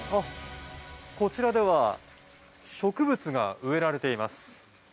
こちらでは植物が植えられています。